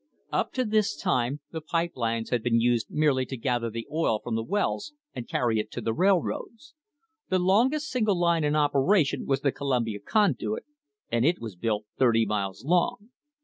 Up to this time the pipe lines had been used merely to gather the oil from the wells and carry it to the railroads. The longest single line in oper ation was the Columbia Conduit, and it was built thirty miles long.